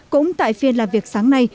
cũng tại phiên làm việc sáng nay